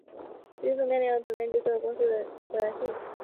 实际从概念上我们已经普遍接受了用数学公理量化了的偶然性。